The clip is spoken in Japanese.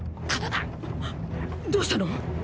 カッ⁉どうしたの？